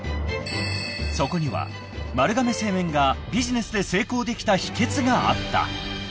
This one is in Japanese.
［そこには丸亀製麺がビジネスで成功できた秘訣があった］